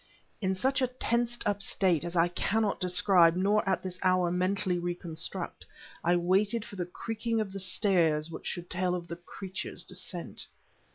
In such a tensed up state as I cannot describe, nor, at this hour mentally reconstruct, I waited for the creaking of the stairs which should tell of the creature's descent.